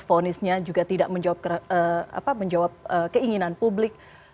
vonisnya juga tidak menjawab keinginan publik